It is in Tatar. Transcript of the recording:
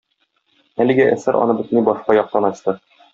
Әлеге әсәр аны бөтенләй башка яктан ачты.